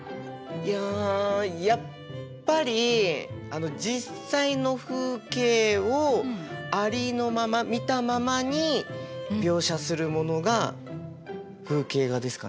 いややっぱり実際の風景をありのまま見たままに描写するものが風景画ですかね。